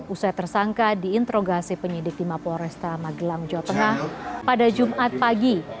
usai tersangka diintrogasi penyidik timah polres tamagelang jawa tengah pada jumat pagi